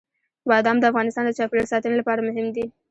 بادام د افغانستان د چاپیریال ساتنې لپاره مهم دي.